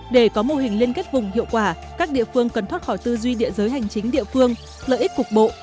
để có mô hình liên kết vùng hiệu quả các địa phương cần thoát khỏi tư duy địa giới hành chính địa phương lợi ích cục bộ